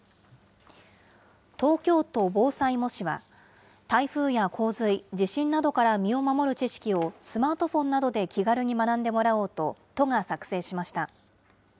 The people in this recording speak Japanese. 東京都防災模試は、台風や洪水、地震などから身を守る知識をスマートフォンなどで気軽に学んでもらおうと、都が作成しました。